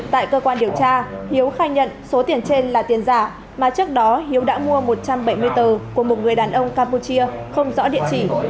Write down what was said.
tại cơ quan điều tra hiếu khai nhận số tiền trên là tiền giả mà trước đó hiếu đã mua một trăm bảy mươi tờ của một người đàn ông campuchia không rõ địa chỉ